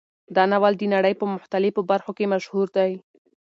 دا ناول د نړۍ په مختلفو برخو کې مشهور دی.